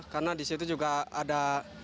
karena disitu juga ada